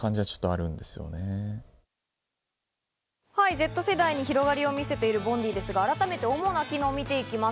Ｚ世代に広がりを見せているＢｏｎｄｅｅですが、改めて主な機能を見ていきます。